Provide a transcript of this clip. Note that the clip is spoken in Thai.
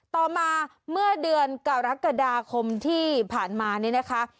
ต่อมาเมื่อเดือนกรกฎาคมที่ผ่านมานี่นะคะ